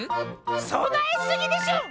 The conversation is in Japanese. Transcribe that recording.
そなえすぎでしょ！